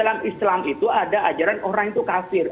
dalam islam itu ada ajaran orang itu kafir